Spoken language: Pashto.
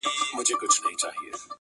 o چي ډېرى سي، مردارى سي.